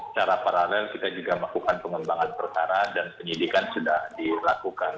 secara paralel kita juga melakukan pengembangan perkara dan penyidikan sudah dilakukan